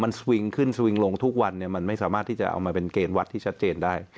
มันสวิงขึ้นสวิงลงทุกวันเนี่ยมันไม่สามารถที่จะเอามาเป็นเกณฑ์วัดที่ชัดเจนได้